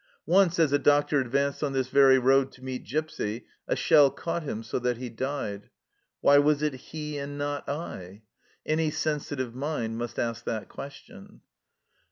Once as a doctor advanced on this very road to meet Gipsy a shell caught him, so that he died. " Why was it he, and not I ?" Any sensitive mind must ask that question.